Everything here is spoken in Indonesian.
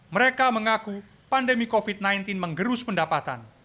mereka mengaku pandemi covid sembilan belas menggerus pendapatan